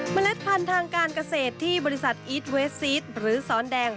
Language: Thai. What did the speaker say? เล็ดพันธุ์ทางการเกษตรที่บริษัทอีทเวสซีสหรือสอนแดง